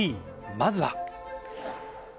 まずは。